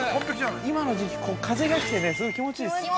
今の時期、風が来てすごい気持ちいいです。